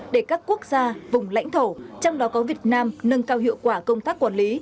để các quốc gia vùng lãnh thổ trong đó có việt nam nâng cao hiệu quả công tác quản lý